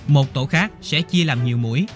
một tổ khác sẽ chia làm nhiều mũi